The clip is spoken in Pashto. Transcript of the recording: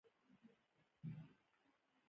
هغه پریکړه وکړه چې له شهزادګۍ سره واده وکړي.